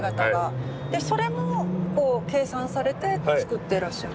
それも計算されてつくってらっしゃる？